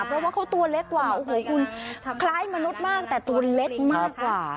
เพราะว่าเขาตัวเล็กกว่าโอ้โหคุณคล้ายมนุษย์มากแต่ตัวเล็กมากกว่า